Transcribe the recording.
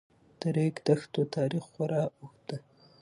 د ریګ دښتو تاریخ خورا اوږد دی.